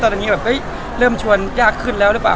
ตอนนี้แบบเริ่มชวนยากขึ้นแล้วหรือเปล่า